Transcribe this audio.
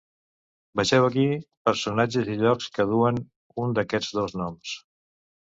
Vegeu aquí personatges i llocs que duen un d'aquests dos noms.